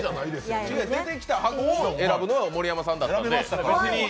出てきた箱を選ぶのは盛山さんだったんで。